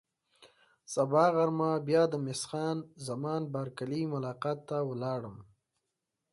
سبا غرمه بیا د مس خان زمان بارکلي ملاقات ته ولاړم.